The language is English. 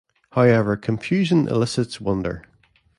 However confusion elicits wonder.